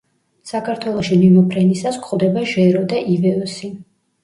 საქართველოში მიმოფრენისას გვხვდება ჟერო და ივეოსი.